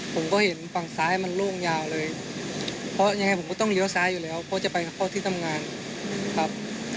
เพราะจะไปเข้าที่ทำงานครับ